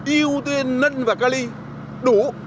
ưu tiên nâng và ca ly đủ